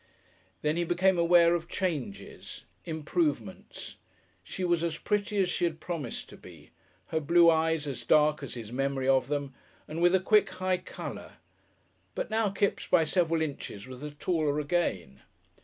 Then he became aware of changes improvements. She was as pretty as she had promised to be, her blue eyes as dark as his memory of them, and with a quick, high colour, but now Kipps by several inches was the taller again.